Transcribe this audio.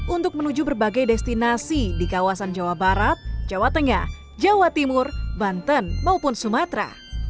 untuk menuju berbagai destinasi di kawasan jawa barat jawa tengah jawa timur banten maupun sumatera